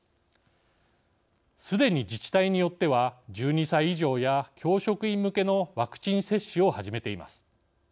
すでに自治体によっては１２歳以上や教職員向けのワクチン接種を始めています。